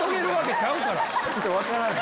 ちょっと分からない。